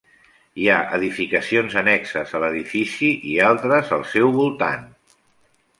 Hi ha edificacions annexes a l'edifici i altres al seu voltant.